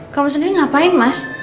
kamu sendiri ngapain mas